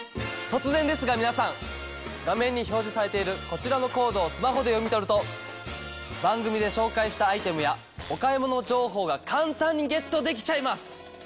突然ですが皆さん画面に表示されているこちらのコードをスマホで読み取ると番組で紹介したアイテムやお買い物情報が簡単にゲットできちゃいます！